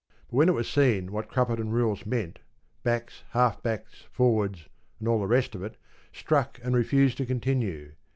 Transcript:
But when it was seen what Crupperton rules meant, backs, half backs, forwards, and all the rest of it, struck and refused to continue.